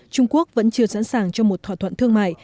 trung quốc vẫn chưa sẵn sàng cho một thỏa thuận thương mại